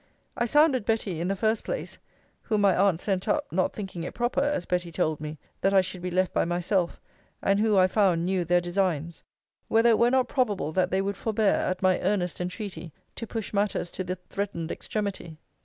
I sounded Betty, in the first place, (whom my aunt sent up, not thinking it proper, as Betty told me, that I should be left by myself, and who, I found, knew their designs,) whether it were not probable that they would forbear, at my earnest entreaty, to push matters to the threatened extremity.